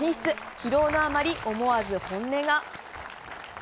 疲労のあまり、思わず本音が。